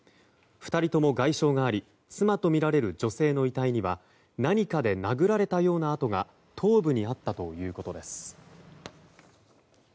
２人とも外傷があり妻とみられる女性の遺体には何かで殴られたような痕が頭部にあったということです。